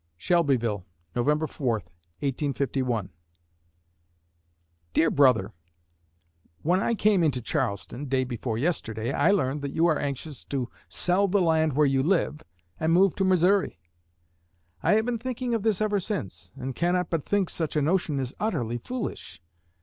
Shelbyville, Nov. 4, 1851 DEAR BROTHER: When I came into Charleston, day before yesterday, I learned that you are anxious to sell the land where you live, and move to Missouri. I have been thinking of this ever since, and cannot but think such a notion is utterly foolish.